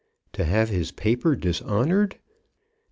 To have his paper dishonoured!